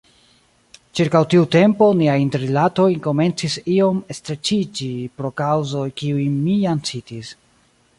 Ĉirkaŭ tiu tempo niaj interrilatoj komencis iom streĉiĝi pro kaŭzoj, kiujn mi jam citis.